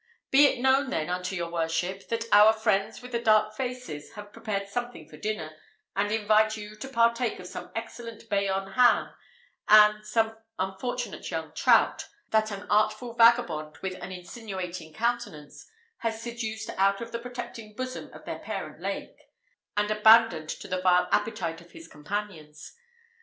Be it known then unto your worship, that our friends with the dark faces have prepared something for dinner, and invite you to partake of some excellent Bayonne ham, and some unfortunate young trout, that an artful vagabond with an insinuating countenance has seduced out of the protecting bosom of their parent lake, and abandoned to the vile appetite of his companions.